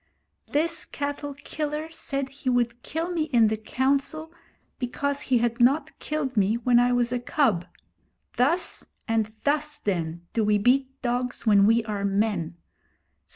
'This cattle killer said he would kill me in the Council because he had not killed me when I was a cub. Thus and thus, then, do we beat dogs when we are men.